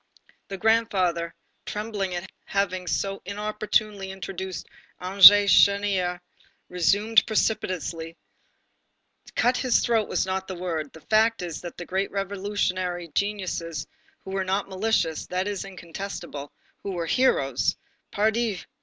The grandfather, trembling at having so inopportunely introduced André Chénier, resumed precipitately: "Cut his throat is not the word. The fact is that the great revolutionary geniuses, who were not malicious, that is incontestable, who were heroes, pardi!